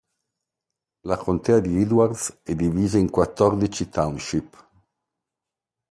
La contea di Edwards è divisa in quattordici township.